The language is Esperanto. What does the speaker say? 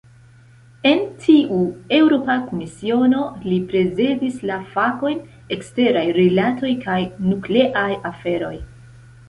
En tiu Eŭropa Komisiono, li prezidis la fakojn "eksteraj rilatoj kaj nukleaj aferoj".